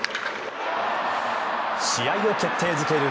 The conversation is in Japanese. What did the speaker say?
試合を決定付ける